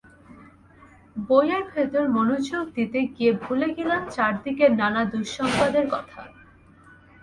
বইয়ের ভেতর মনোযোগ দিতে গিয়ে ভুলে গেলাম চারদিকের নানা দুঃসংবাদের কথা।